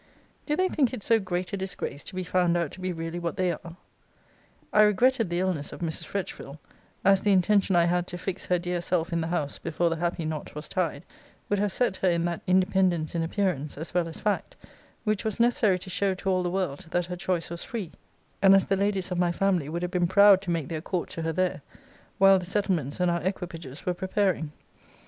Do they think it so great a disgrace to be found out to be really what they are? I regretted the illness of Mrs. Fretchville; as the intention I had to fix her dear self in the house before the happy knot was tied, would have set her in that independence in appearance, as well as fact, which was necessary to show to all the world that her choice was free; and as the ladies of my family would have been proud to make their court to her there, while the settlements and our equipages were preparing.